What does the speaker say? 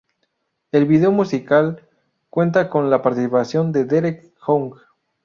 El video musical cuenta con la participación de Derek Hough.